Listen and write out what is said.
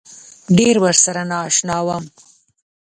ډېر ورسره نا اشنا وم.